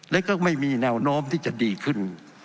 และก็ไม่มีแนวโน้มที่จะดีขึ้น